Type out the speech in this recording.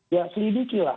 ya selidiki lah